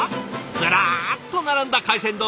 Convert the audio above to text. ずらっと並んだ海鮮丼。